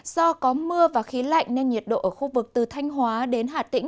do có mưa và khí lạnh nên nhiệt độ ở khu vực từ thanh hóa đến hà tĩnh